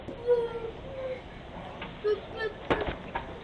Z tohoto důvodu toužebně očekáváme sdělení Komise k tomuto tématu.